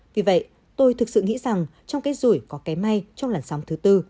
vì vậy tôi thực sự nghĩ rằng trong cái rủi có cái may trong làn sóng thứ tư